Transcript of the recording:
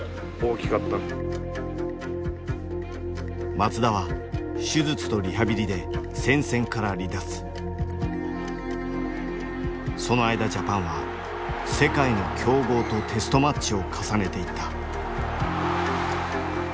松田は手術とリハビリでその間ジャパンは世界の強豪とテストマッチを重ねていった。